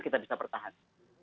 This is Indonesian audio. kita bisa pertahan